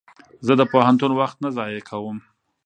زه د پوهنتون وخت نه ضایع کوم.